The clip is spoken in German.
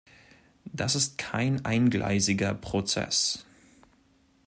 Das ist kein eingleisiger Prozess.